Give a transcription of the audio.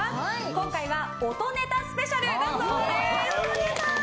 今回は音ネタスペシャルだそうです。